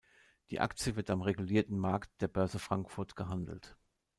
Die Aktie wird am Regulierten Markt der Börse Frankfurt gehandelt.